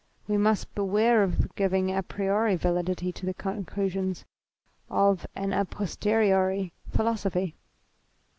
We must beware of giving a priori validity to the conclusions of an a posteriori philo sophy.